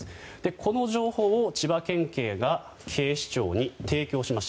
この情報を千葉県警が警視庁に提供しました。